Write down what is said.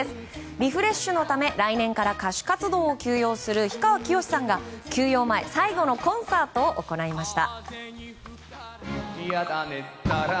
リフレッシュのため、来年から歌手活動を休養する氷川きよしさんが休養前最後のコンサートを行いました。